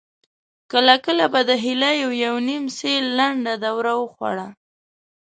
کله کله به د هيليو يوه نيم سېل لنډه دوره وخوړه.